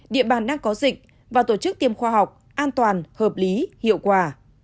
địa bàn đang có dịch và tổ chức tiêm khoa học an toàn hợp lý hiệu quả